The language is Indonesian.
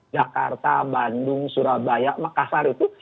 jakarta bandung surabaya makassar itu